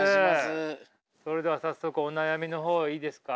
それでは早速お悩みの方いいですか？